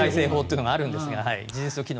財政法というのがあるんですけどね。